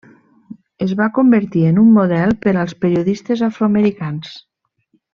Es va convertir en un model per als periodistes afroamericans.